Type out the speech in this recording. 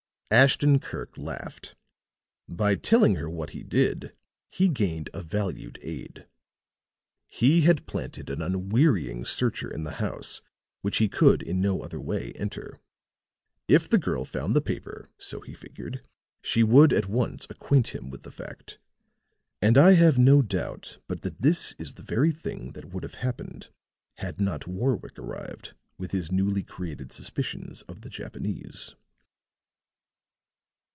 Ashton Kirk laughed. "By telling her what he did, he gained a valued aide. He had planted an unwearying searcher in the house which he could in no other way enter. If the girl found the paper, so he figured, she would at once acquaint him with the fact. And I have no doubt but that this is the very thing that would have happened had not Warwick arrived with his newly created suspicions of the Japanese."